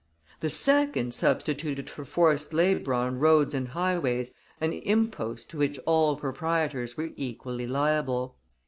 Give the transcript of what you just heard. The second substituted for forced labor on roads and highways an impost to which all proprietors were equally liable.